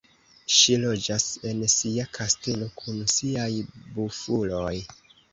Ŝi loĝas en sia kastelo kun siaj Bufuloj.